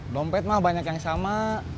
dompet mah banyak yang sama